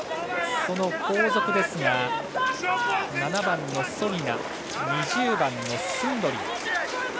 その後続ですが、７番のソリナや２０番のスンドリン。